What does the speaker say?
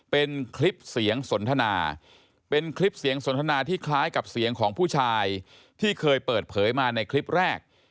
เป็นคลิปเสียงสนทนาเป็นคลิปเสียงสนทนาที่คล้ายกับเสียงของผู้ชายที่เคยเปิดเผยมาในคลิปแรก